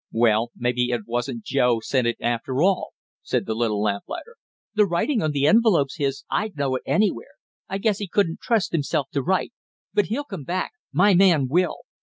"Well, maybe it wasn't Joe sent it after all!" said the little lamplighter. "The writing on the envelope's his, I'd know it anywhere. I guess he couldn't trust himself to write; but he'll come back, my man will!